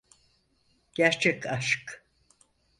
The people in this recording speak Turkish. Gerçek aşk.